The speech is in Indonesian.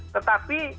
tetapi ya itu memang